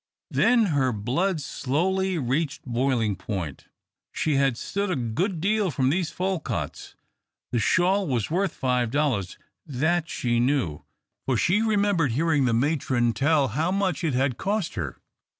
Then her blood slowly reached boiling point. She had stood a good deal from these Folcutts. The shawl was worth five dollars. That she knew, for she remembered hearing the matron tell how much it had cost her.